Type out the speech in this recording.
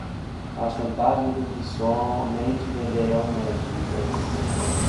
A chantagem dos que somente venderão medidas